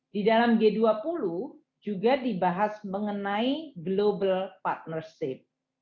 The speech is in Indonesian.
di dalam g dua puluh juga dibahas mengenai global partnership